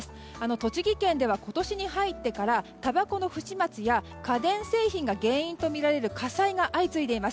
栃木県では今年に入ってからたばこの不始末や家電製品が原因とみられる火災が相次いでいます。